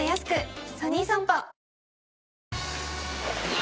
あ